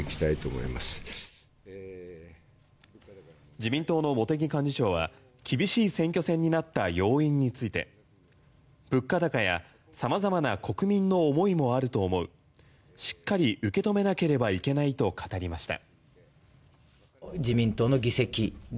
自民党の茂木幹事長は厳しい選挙戦になった要因について、物価高や様々な国民の思いもあると思うしっかり受け止めなければいけないと語りました。